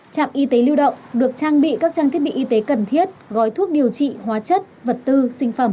trạm y tế lưu động được trang bị các trang thiết bị y tế cần thiết gói thuốc điều trị hóa chất vật tư sinh phẩm